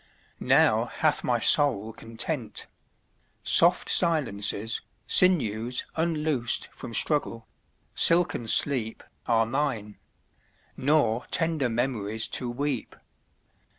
Now hath my soul content. Soft silences, Sinews unloosed from struggle, silken sleep, 27 Are mine; nor tender memories to weep.